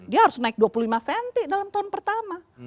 dia harus naik dua puluh lima cm dalam tahun pertama